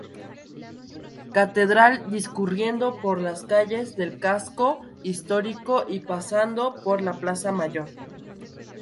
Catedral, discurriendo por las calles del casco histórico y pasando por la Plaza Mayor.